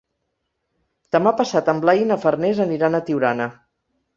Demà passat en Blai i na Farners aniran a Tiurana.